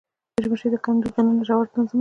مچمچۍ د کندو دننه ژور نظم لري